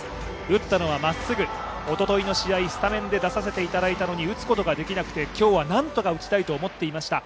打ったのはまっすぐ、おとといの試合スタメンで出させていただいたのに打つことができなくて今日は何とか打ちたいと思っていました。